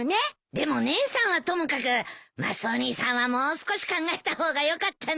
でも姉さんはともかくマスオ兄さんはもう少し考えた方がよかったんじゃない？